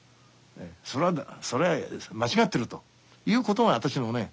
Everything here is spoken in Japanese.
それは間違ってるということが私のね